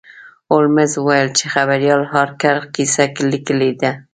هولمز وویل چې خبریال هارکر کیسه لیکلې ده.